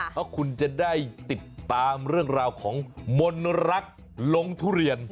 เพราะคุณจะได้ติดตามเรื่องราวของมนต์รักลงทุเรียน